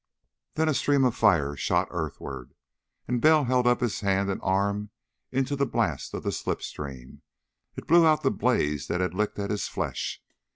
Then a stream of fire shot earthward, and Bell held up his hand and arm into the blast of the slip stream. It blew out the blaze that had licked at his flesh.